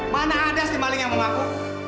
mana ada sih maling yang mau ngaku